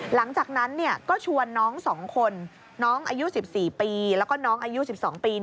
หลังจากนั้นก็ชวนน้อง๒คนน้องอายุ๑๔ปีแล้วก็น้องอายุ๑๒ปี